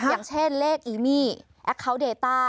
อย่างเช่นเลขอีมี่แอคเคาน์เดต้า